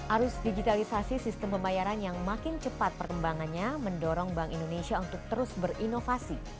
arus digitalisasi sistem pembayaran yang makin cepat perkembangannya mendorong bank indonesia untuk terus berinovasi